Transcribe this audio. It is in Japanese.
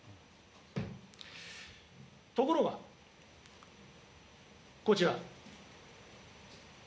ところが、こちら。